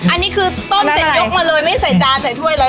อันนี้คือต้มเสร็จยกมาเลยไม่ใส่จานใส่ถ้วยเลย